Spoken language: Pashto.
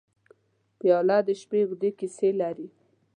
پیاله د شپې اوږدې کیسې لري.